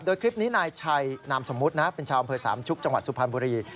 โดยคลิปนี้นายชัยนามสมมุตินะเป็นชาวอำเภอสามชุกจังหวัดสุพรรณบุรี